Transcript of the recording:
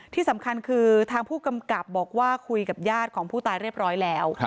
ที่สำคัญคือทางผู้กำกับบอกว่าคุยกับญาติของผู้ตายเรียบร้อยแล้ว